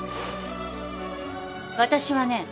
私はね